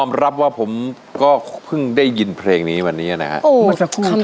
รับว่าผมก็เพิ่งได้ยินเพลงนี้วันนี้นะครับ